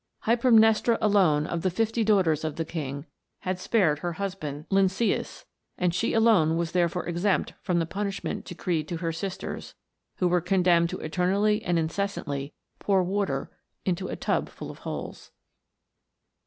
Hy permnestra alone, of the fifty daughters of the king, had spared her husband Lynceus, and she alone was therefore exempt from the punishment decreed to her sisters, who were condemned to eternally and incessantly pour water into a tub full of holes.